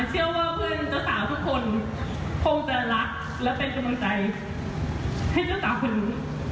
เชื่อว่าเพื่อนเจ้าสาวทุกคนคงจะรักและเป็นกำลังใจให้เจ้าสาวคนนี้